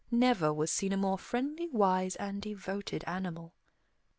Never was seen a more friendly, wise, and devoted animal.